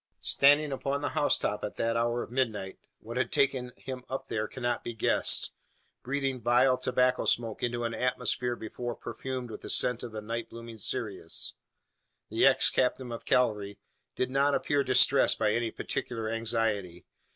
Standing upon the housetop at the hour of midnight what had taken him up there cannot be guessed breathing vile tobacco smoke into an atmosphere before perfumed with the scent of the night blooming cereus; the ex captain of cavalry did not appear distressed by any particular anxiety.